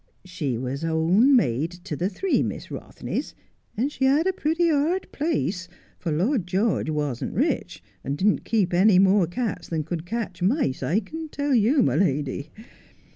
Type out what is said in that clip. She was own maid to the three Miss Bothneys, and she had a pretty hard place, for Lord George wasn't rich, and didn't keep any more cats than could catch mice, I can tell you, my lady.